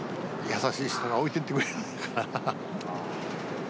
優しい人が置いてってくれるから。